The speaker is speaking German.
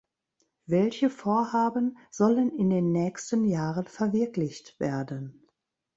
Welche Vorhaben sollen in den nächsten Jahren verwirklicht werden?